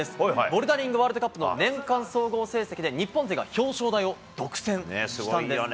ボルダリングワールドカップの年間総合成績で日本勢が表彰台を独占したんです。